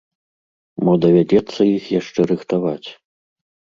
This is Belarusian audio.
Мо давядзецца іх яшчэ рыхтаваць.